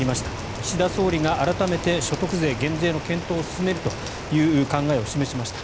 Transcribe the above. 岸田総理が改めて所得税減税の検討を進めるという考えを示しました。